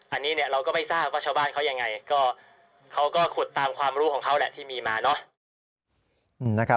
อันนี้เนี่ยเราก็ไม่ทราบว่าชาวบ้านเขายังไงก็เขาก็ขุดตามความรู้ของเขาแหละที่มีมาเนอะ